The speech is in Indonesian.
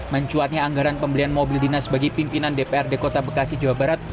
mencuatnya anggaran pembelian mobil dinas bagi pimpinan dprd kota bekasi jawa barat